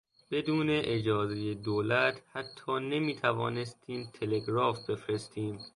بدون اجازهی دولت حتی نمیتوانستیم تلگراف بفرستیم.